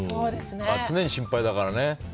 常に心配だからね。